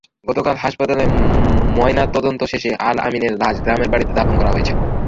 গতকাল হাসপাতালে ময়নাতদন্ত শেষে আল-আমিনের লাশ গ্রামের বাড়িতে দাফন করা হয়েছে।